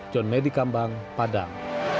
john nedi kambang padang